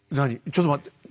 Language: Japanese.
ちょっと待って。